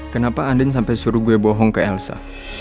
kenapa andin sampai suruh gue bohong ke elsa